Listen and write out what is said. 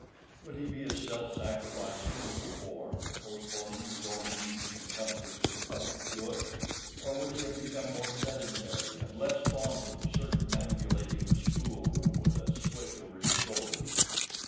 Would he be as self sacrificing as before, postponing his own ease and comfort to the public good, or would he have become more sedentary, and less fond of circumambulating the school room with a switch over his shoulder?